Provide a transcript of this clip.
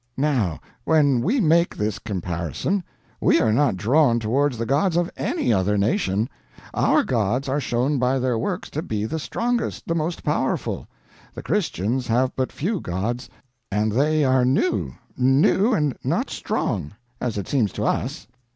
Now, when we make this comparison, we are not drawn towards the gods of any other nation. Our gods are shown by their works to be the strongest, the most powerful. The Christians have but few gods, and they are new new, and not strong; as it seems to us.